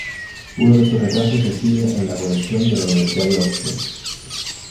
Uno de estos retratos se exhibe en la colección de la Universidad de Oxford.